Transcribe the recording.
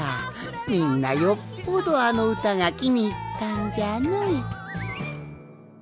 みんなよっぽどあのうたがきにいったんじゃの。